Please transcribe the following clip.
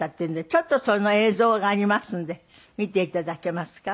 ちょっとその映像がありますので見て頂けますか？